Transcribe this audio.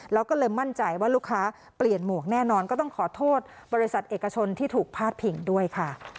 แล้วก็เลยมั่นใจว่าลูกค้าเปลี่ยนหมวกแน่นอนก็ต้องขอโทษบริษัทเอกชนที่ถูกพาดพิงด้วยค่ะ